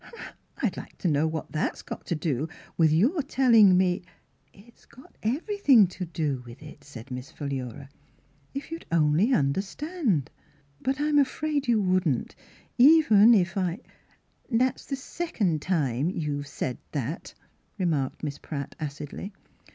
Huh ! I'd like to know what that's got to do with your telling me —"" It's got everything to do with it," said Miss Philura. " If you'd only under stand ; but I'm afraid you wouldn't, even if I —"" That's the second time you've said that," remarked Miss Pratt acidly.